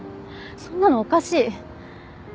そんなのおかしい。